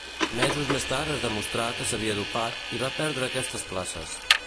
Mesos més tard es demostrà que s'havia dopat i va perdre aquestes places.